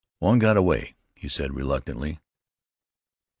"One got away," he said reluctantly.